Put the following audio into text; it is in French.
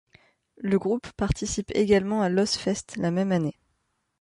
Le groupe participe également à l'Ozzfest la même année.